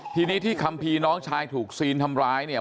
ทีนี้ที่คัมภีร์น้องชายถูกซีนทำร้ายเนี่ย